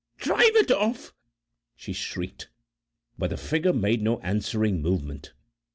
"Drive it off!" she shrieked. But the figure made no answering movement.